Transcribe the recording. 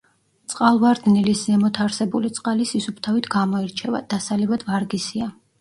წყალვარდნილის ზემოთ არსებული წყალი სისუფთავით გამოირჩევა, დასალევად ვარგისია.